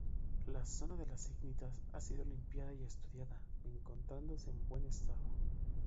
La zona de las icnitas ha sido limpiada y estudiada, encontrándose en buen estado.